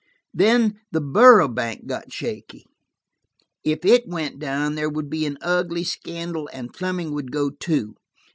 "Then the Borough Bank got shaky. If it went down there would be an ugly scandal, and Fleming would go too.